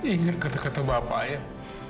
ingat kata kata bapak ya